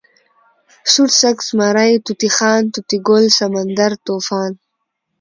سوړسک، زمری، طوطی خان، طوطي ګل، سمندر، طوفان